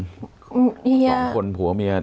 คนผัวเมีย